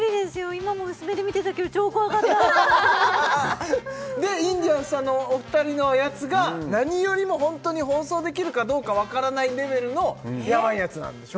今も薄目で見てたけど超怖かったでインディアンスさんのお二人のやつが何よりもホントに放送できるかどうか分からないレベルのヤバいやつなんでしょ？